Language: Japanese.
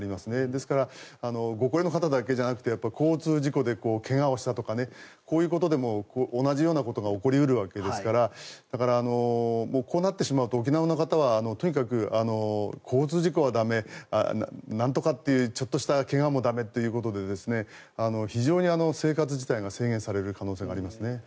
ですからご高齢の方だけじゃなくて交通事故で怪我をしたとかこういうことでも同じようなことが起こり得るわけですからだから、こうなってしまうと沖縄の方はとにかく交通事故は駄目、なんとかというちょっとした怪我も駄目ということで非常に生活自体が制限される可能性がありますね。